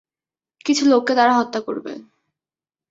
কিছু লোককে তারা হত্যা করবে।